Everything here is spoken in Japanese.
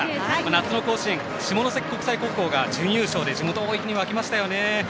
夏の甲子園下関国際高校が準優勝して地元は大いに沸きましたよね。